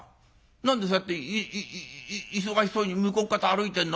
何でそうやって忙しそうに向こうっ方歩いてんの？